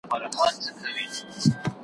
زه لکه شبنم ژوند مي یوه شپه تر سهاره دی